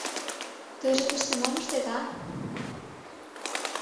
Тыйже тыште мом ыштет, а?